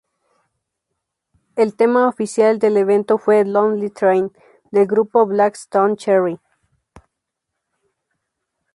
El tema oficial del evento fue ""Lonely Train"" del grupo Black Stone Cherry.